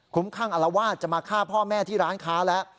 ข้างอลวาดจะมาฆ่าพ่อแม่ที่ร้านค้าแล้ว